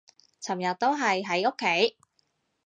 尋日都係喺屋企